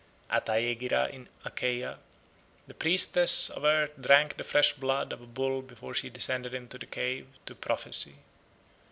At Aegira in Achaia the priestess of Earth drank the fresh blood of a bull before she descended into the cave to prophesy.